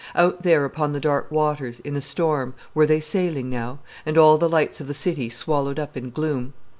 Out there upon the dark waters, in the storm, were they sailing now, and all the lights of the city swallowed up in gloom?